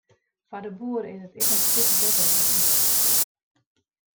Foar de boer is it in stik better wurden.